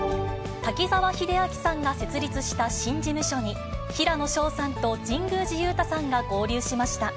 滝沢秀明さんが設立した新事務所に、平野紫燿さんと神宮寺勇太さんが合流しました。